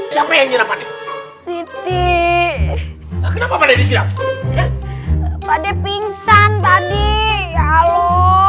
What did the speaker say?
siapa yang nyuruh siti kenapa pade pade pingsan tadi halo